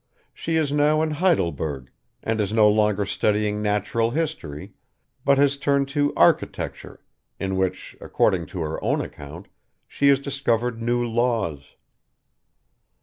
She is now in Heidelberg, and is no longer studying natural history but has turned to architecture, in which, according to her own account, she has discovered new laws.